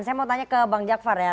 saya mau tanya ke bang jakvar ya